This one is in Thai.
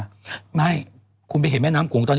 ไม่ครั้งนี้คุณจะไปเห็นแม่น้ำโขงตกใจ